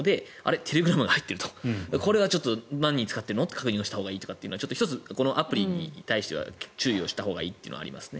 テレグラムが入っているこれは何に使ってるの？と確認したほうがいいというこのアプリに対しては注意をしたほうがいいというのはありますね。